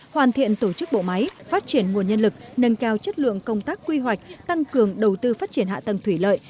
hoàn thiện tổ chức bộ máy phát triển nguồn nhân lực nâng cao chất lượng công tác quy hoạch tăng cường đầu tư phát triển hạ tầng thủy lợi